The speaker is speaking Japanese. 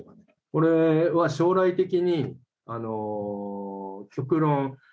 これは将来的に極論